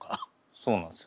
そうなんですよ。